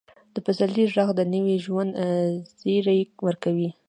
د پسرلي ږغ د نوي ژوند زیری ورکوي.